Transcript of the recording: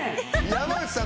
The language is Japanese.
山内さん